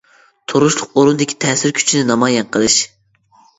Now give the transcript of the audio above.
تۇرۇشلۇق ئورۇندىكى تەسىر كۈچنى نامايان قىلىش.